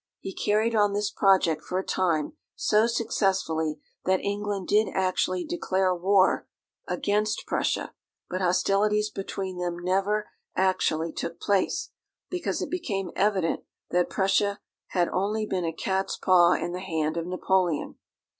He carried on this project for a time so successfully that England did actually declare war against Prussia, but hostilities between them never actually took place, because it became evident that Prussia had only been a cat's paw in the hand of Napoleon.